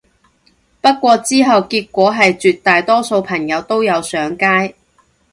不過之後結果係絕大多數朋友都有上街